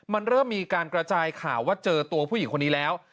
มันเริ่มมีการกระจายข่าวว่าเจอตัวผู้หญิงคนนี้แล้ว